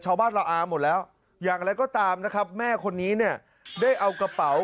ชาวบ้านละอาหมดแล้วอย่างไรก็ตามนะครับแม่คนนี้เนี่ยได้เอากระเป๋า